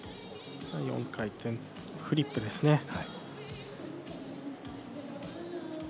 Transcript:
４回転フリップですね。